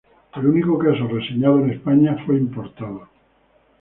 El único caso reseñado en España fue importado.